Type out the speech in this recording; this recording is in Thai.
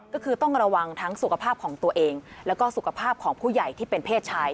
ก็คือต้องระวังทั้งสุขภาพของตัวเองแล้วก็สุขภาพของผู้ใหญ่ที่เป็นเพศชาย